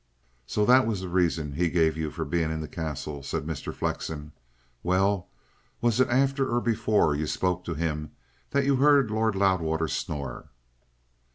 "So that was the reason he gave you for being in the Castle," said Mr. Flexen. "Well, was it after or before you spoke to him that you heard Lord Loudwater snore?"